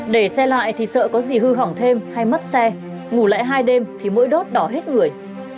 để xe lại thì sợ có gì hư hỏng thêm hay mất xe ngủ lại hai đêm thì mỗi đốt đỏ hết người